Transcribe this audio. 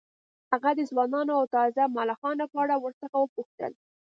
هغه د ځوانو او تازه ملخانو په اړه ورڅخه وپوښتل